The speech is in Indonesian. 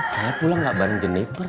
saya pulang nggak bareng jeniper